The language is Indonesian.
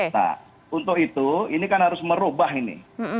nah untuk itu ini kan harus merubah ini